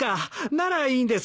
ならいいんです。